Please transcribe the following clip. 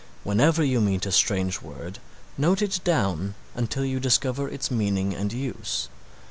Whenever you meet a strange word note it down until you discover its meaning and use.